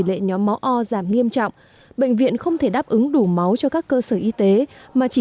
lệ nhóm máu o giảm nghiêm trọng bệnh viện không thể đáp ứng đủ máu cho các cơ sở y tế mà chỉ